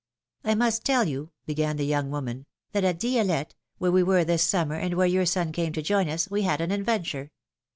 I must tell you," began the young woman, " that at Di6lette, where we were this summer and where your son came to join us, we had an adventure.